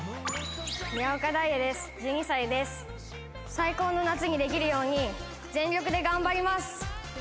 最高の夏にできるように全力で頑張ります！